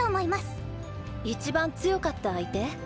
一番強かった相手？